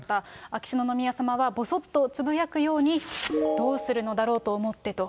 秋篠宮さまは、ぼそっとつぶやくように、どうするのだろうと思ってと。